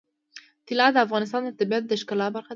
طلا د افغانستان د طبیعت د ښکلا برخه ده.